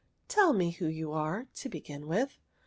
Tell me who you are, to begin with."